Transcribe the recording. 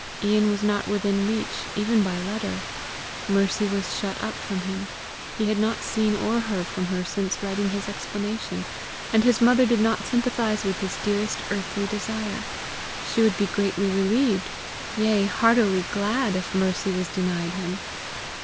Ian was not within reach even by letter; Mercy was shut up from him: he had not seen or heard from her since writing his explanation; and his mother did not sympathize with his dearest earthly desire: she would be greatly relieved, yea heartily glad, if Mercy was denied him!